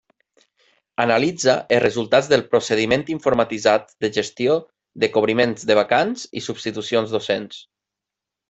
Analitza els resultats del procediment informatitzat de gestió de cobriment de vacants i substitucions docents.